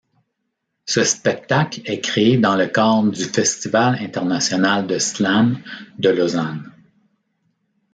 Ce spectacle est créé dans le cadre du Festival international de slam de Lausanne.